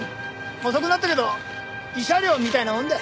遅くなったけど慰謝料みたいなもんだ。